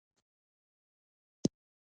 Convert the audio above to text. پنجاب رمباړې وهي.